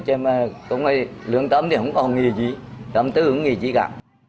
thế chứ mà lương tâm thì không có nghĩa gì tâm tư không có nghĩa gì cả